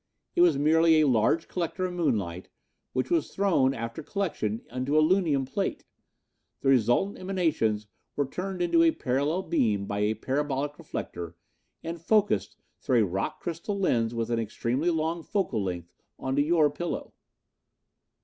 It was merely a large collector of moonlight, which was thrown after collection onto a lunium plate. The resultant emanations were turned into a parallel beam by a parabolic reflector and focused, through a rock crystal lens with an extremely long focal length, onto your pillow."